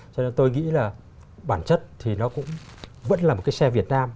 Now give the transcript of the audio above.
cho nên tôi nghĩ là bản chất thì nó cũng vẫn là một cái xe việt nam